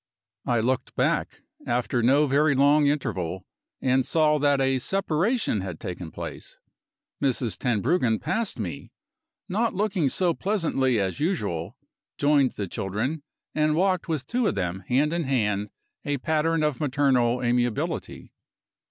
I looked back, after no very long interval, and saw that a separation had taken place. Mrs. Tenbruggen passed me, not looking so pleasantly as usual, joined the children, and walked with two of them, hand in hand, a pattern of maternal amiability.